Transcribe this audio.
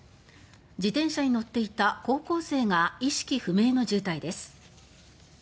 自転車に乗っていた高校生が意識不明の重体です。